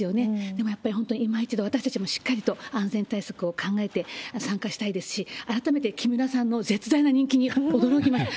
でもやっぱりいま一度、私たちもしっかりと安全対策を考えて、参加したいですし、改めて木村さんの絶大な人気に驚きました。